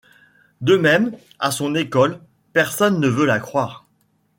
De même, à son école, personne ne veut la croire.